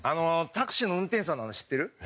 タクシーの運転手さんの話知ってる？